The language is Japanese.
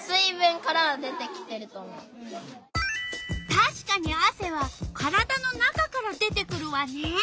たしかにあせは体の中から出てくるわね。